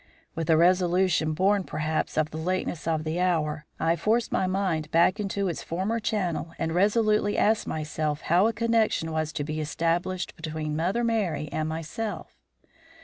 With a resolution born, perhaps, of the lateness of the hour, I forced my mind back into its former channel and resolutely asked myself how a connection was to be established between Mother Merry and myself.